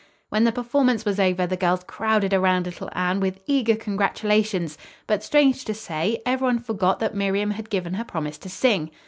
When the performance was over the girls crowded around little Anne with eager congratulations; but, strange to say, everyone forgot that Miriam had given her promise to sing.